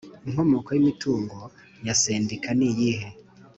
Inkomoko y imitungo ya Sendika ni iyihe